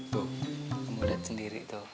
tuh kamu liat sendiri tuh